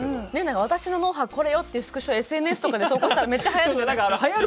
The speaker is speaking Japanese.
私の脳波はこれよっていうスクショＳＮＳとかで投稿したらめっちゃはやる。